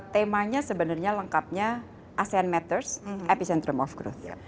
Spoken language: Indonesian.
temanya sebenarnya lengkapnya asean matters epicentrum of growth ya